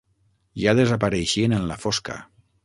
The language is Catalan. Ja desapareixien en la fosca